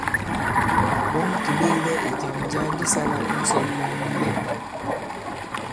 Ɓɔ̌ŋ kì ɓeklɛ ì jàm jǎ di sālā i ǹsɔ̀n mɔŋ mu ndɛ̄m.